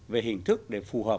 về hình thức để phù hợp